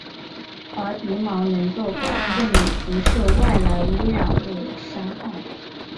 而鼻毛能够保护你不受外来污染物伤害。